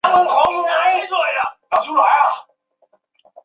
现在市场上出售的欧拉盘一般包括一个面朝上的凹面镜和一个金属盘。